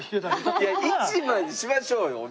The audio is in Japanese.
いや１枚にしましょうよおみくじ。